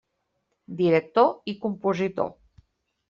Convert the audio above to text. Director i compositor.